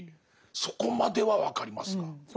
そこまでは分かりますがまだ難しい。